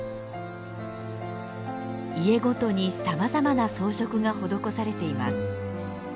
家ごとにさまざまな装飾が施されています。